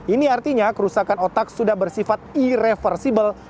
ini artinya kerusakan otak sudah bersifat irreversible